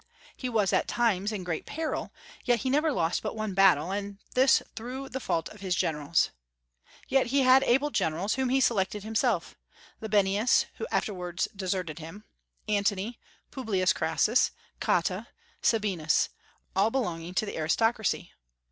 He was at times in great peril, yet he never lost but one battle, and this through the fault of his generals. Yet he had able generals, whom he selected himself, Labienus, who afterwards deserted him, Antony, Publius Crassus, Cotta, Sabinus, all belonging to the aristocracy.